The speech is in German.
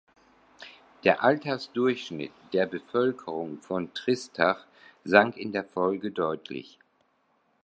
Der Altersdurchschnitt der Bevölkerung von Tristach sank in der Folge deutlich.